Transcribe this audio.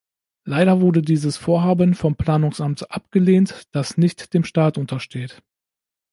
Leider wurde dieses Vorhaben vom Planungsamt abgelehnt, das nicht dem Staat untersteht.